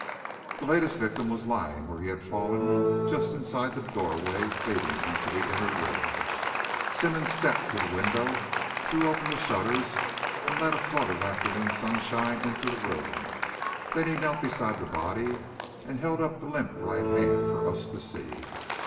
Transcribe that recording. The latest victim was lying where he had fallen, just inside the doorway leading into the inner room. Simmonds stepped to the window, threw open the shutters, and let a flood of afternoon sunshine into the room. Then he knelt beside the body, and held up the limp right hand for us to see.